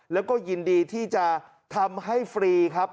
แล้วก็ยินดีที่จะทำให้ฟรีครับ